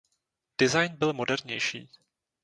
Design byl modernější.